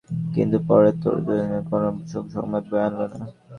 কিন্তু পরের ভোর তাদের জন্য কোন সুসংবাদ বয়ে আনল না।